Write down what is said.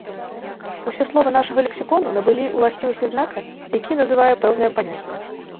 Усе словы нашага лексікону набылі ўласцівасці знака, які называе пэўнае паняцце.